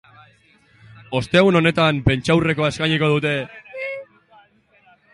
Ostegun honetan prentsaurrekoa eskainiko dute.